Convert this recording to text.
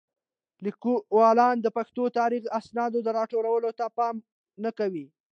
لیکوالان د پښتو د تاریخي اسنادو د راټولولو ته پام نه کوي.